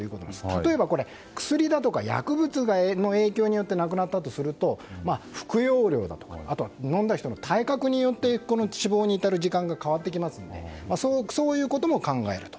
例えば薬だとか薬物の影響によって亡くなったとすると服用量だとかあとは飲んだ人の体格によって死亡に至る時間が変わってきますのでそういうことも考えられると。